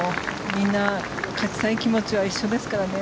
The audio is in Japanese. みんな、勝ちたい気持ちは一緒ですからね。